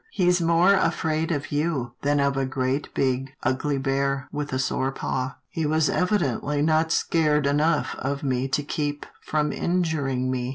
He's more afraid of you than of a great big, ugly bear, with a sore paw." " He was evidently not scared enough of me to keep from injuring me."